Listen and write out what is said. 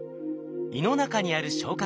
胃の中にある消化